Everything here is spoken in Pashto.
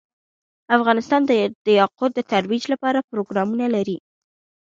افغانستان د یاقوت د ترویج لپاره پروګرامونه لري.